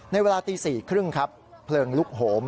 เวลาตี๔๓๐ครับเพลิงลุกโหม